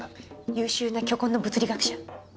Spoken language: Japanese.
優秀な巨根の物理学者。